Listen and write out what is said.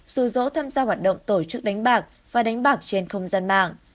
dù dỗ tham gia hoạt động tổ chức đánh bạc và đánh bạc trên không gian mạng